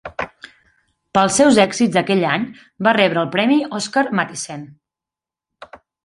Pels seus èxits d'aquell any, va rebre el premi Oscar Mathisen.